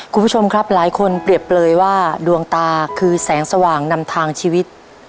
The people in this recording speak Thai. คุณผู้ชมครับหลายคนเปรียบเปลยว่าดวงตาคือแสงสว่างนำทางชีวิต